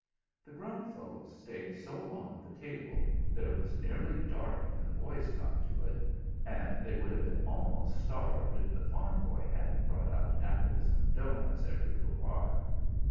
"The grown folks stayed so long at the table that it was nearly dark when the boys got to it, and they would have been almost starved if the farm boy hadn't brought out apples and doughnuts every little while.